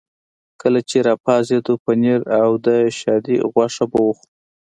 کله چې را پاڅېدو پنیر او د شادي غوښه به وخورو.